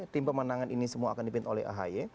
tim pemenangan ini semua akan dipimpin oleh ahy